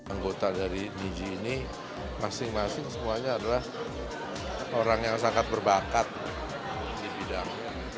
anggota dari niji ini masing masing semuanya adalah orang yang sangat berbakat di bidang